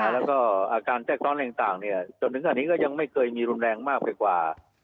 แล้วก็อาการแทรกซ้อนต่างจนถึงขนาดนี้ก็ยังไม่เคยมีรุนแรงมากไปกว่า